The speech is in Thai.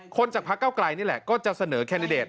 จากพระเก้าไกลนี่แหละก็จะเสนอแคนดิเดต